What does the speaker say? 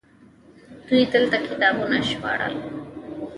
دوی دلته کتابونه ژباړل